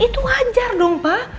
itu wajar dong pak